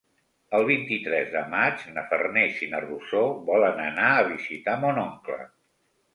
El vint-i-tres de maig na Farners i na Rosó volen anar a visitar mon oncle.